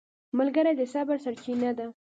ملګری د صبر سرچینه ده